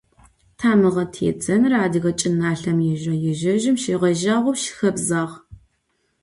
Тамыгъэ тедзэныр адыгэ чӏыналъэм ижърэ-ижъыжьым щегъэжьагъэу щыхэбзагъ.